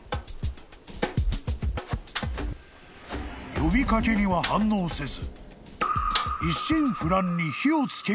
・［呼び掛けには反応せず］